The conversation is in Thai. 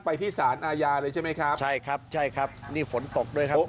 ไปที่สารอาญาเลยใช่ไหมครับใช่ครับใช่ครับนี่ฝนตกด้วยครับ